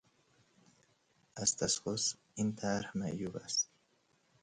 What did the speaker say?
اسطقس این طرح معیوب است.